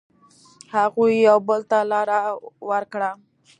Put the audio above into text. هغوی یو بل ته لاره ورکړه.